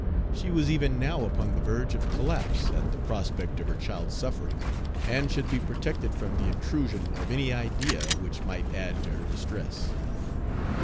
She was even now upon the verge of collapse at the prospect of her child's suffering, and should be protected from the intrusion of any idea which might add to her distress.